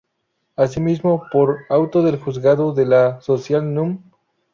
Asimismo, por Auto del Juzgado de lo Social núm.